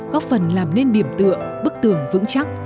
góp phần làm nên điểm tựa bức tường vững chắc